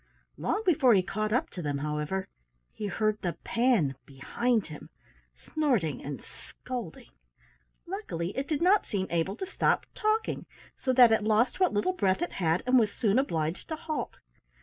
Long before he caught up to them, however, he heard the Pan behind him, snorting and scolding. Luckily it did not seem able to stop talking, so that it lost what little breath it had and was soon obliged to halt.